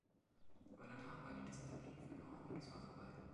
Aber danach war die Disziplin verloren und es war vorbei.